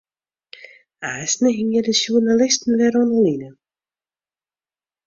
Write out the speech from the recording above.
Aansten hingje de sjoernalisten wer oan 'e line.